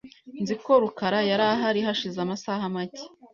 Nzi ko rukara yari ahari hashize amasaha make .